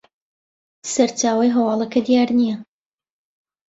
سەرچاوەی هەواڵەکە دیار نییە